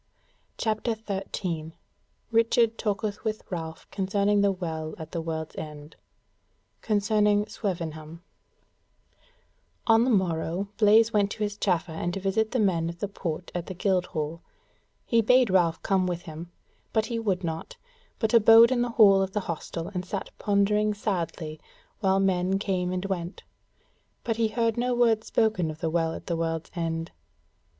CHAPTER 13 Richard Talketh With Ralph Concerning the Well at the World's End. Concerning Swevenham On the morrow Blaise went to his chaffer and to visit the men of the Port at the Guildhall: he bade Ralph come with him, but he would not, but abode in the hall of the hostel and sat pondering sadly while men came and went; but he heard no word spoken of the Well at the World's End.